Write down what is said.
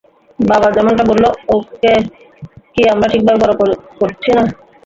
বাবা যেমনটা বললো, ওকে কি আমরা ঠিকভাবে বড় করছি না?